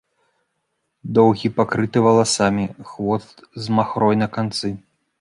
Доўгі, пакрыты валасамі, хвост з махрой на канцы.